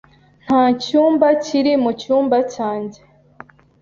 Nta cyumba kiri mu cyumba cyanjye.